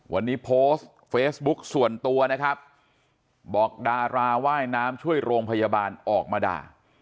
วันนี้โพสต์เฟซบุ๊กส่วนตัวนะครับบอกดาราว่ายน้ำช่วยโรงพยาบาลออกมาด่า